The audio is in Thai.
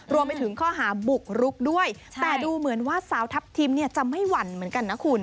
รวมไปถึงข้อหาบุกรุกด้วยแต่ดูเหมือนว่าสาวทัพทิมเนี่ยจะไม่หวั่นเหมือนกันนะคุณ